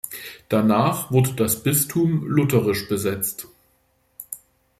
Danach wurde das Bistum lutherisch besetzt.